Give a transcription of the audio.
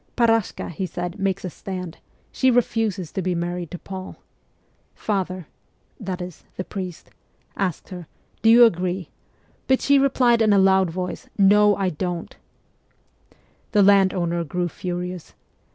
'Parashka,' he said, 'makes a stand; she refuses to be married to Paul. Father ' (that is, the priest) CHILDHOOD 61 asked her, " Do you agree ?" but she replied in a loud voice, "No, I don't.'" The landowner grew furious.